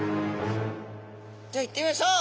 じゃいってみましょう！